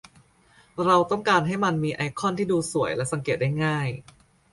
เราต้องการให้มันมีไอคอนที่ดูสวยและสังเกตได้ง่าย